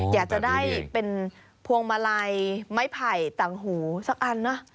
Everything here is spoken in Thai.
อยากจะได้เป็นพวงมาลัยไม้ไผ่ต่างหูสักอันนะ